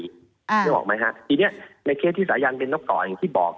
นึกออกไหมฮะทีนี้ในเคสที่สายันเป็นนกต่ออย่างที่บอก